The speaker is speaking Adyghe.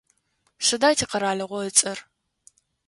Сыда тикъэралыгъо ыцӏэр?